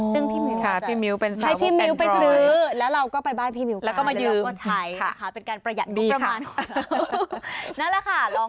ซึ่งพี่มิวจะให้พี่มิวไปซื้อแล้วเราก็ไปบ้านพี่มิวกันแล้วเราก็ใช้เป็นการประหยัดลูกประมาณของเรานั่นแหละค่ะลอง